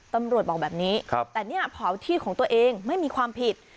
ตำรวจบอกแบบนี้แต่เนี่ยเผาที่ของตัวเองไม่มีความผิด